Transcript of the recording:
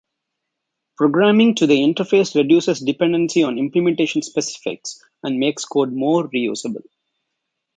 Programming to the interface reduces dependency on implementation specifics and makes code more reusable.